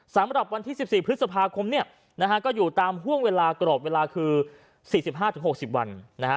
สำหรับวันที่๑๔พฤษภาคมเนี่ยนะฮะก็อยู่ตามห่วงเวลากรอบเวลาคือ๔๕๖๐วันนะฮะ